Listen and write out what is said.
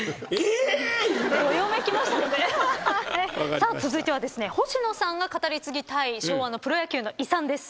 さあ続いてはですね星野さんが語り継ぎたい昭和のプロ野球の遺産です。